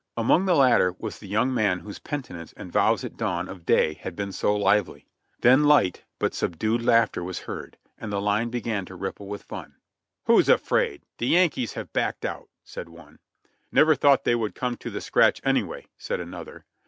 Among the latter was the young man whose penitence and vows at dawn of day had been so lively. Then light, but subdued laughter, was heard, and the line began to ripple with fun. "Who's afraid ! The Yankees have backed out," said one. "Never thought they would come to the scratch anyway," said another.